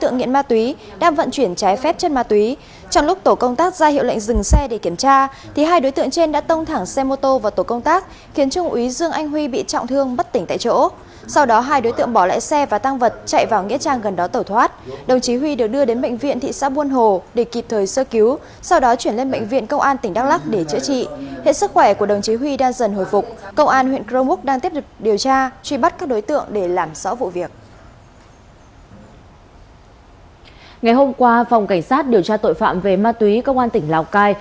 ngày hôm qua phòng cảnh sát điều tra tội phạm về ma túy công an tỉnh lào cai